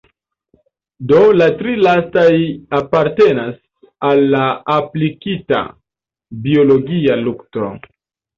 Do la tri lastaj apartenas al aplikita biologia lukto.